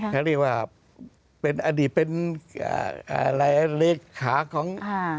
เขาเรียกว่าเป็นอดีตเป็นอะไรเลขาของ